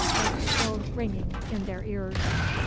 was still ringing in their ears.